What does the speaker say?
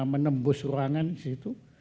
menembus ruangan di situ